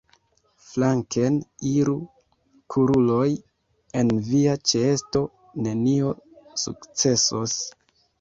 Flanken iru, karuloj, en via ĉeesto nenio sukcesos!